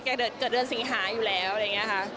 เกิดเดือนสิงหาอยู่แล้วอะไรอย่างนี้ค่ะ